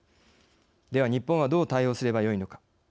では日本はどう対応すればよいのか。